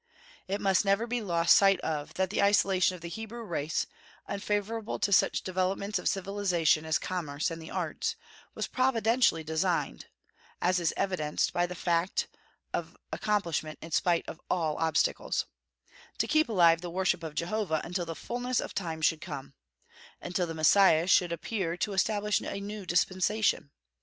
It must never be lost sight of that the isolation of the Hebrew race, unfavorable to such developments of civilization as commerce and the arts, was providentially designed (as is evidenced by the fact of accomplishment in spite of all obstacles) to keep alive the worship of Jehovah until the fulness of time should come, until the Messiah should appear to establish a new dispensation.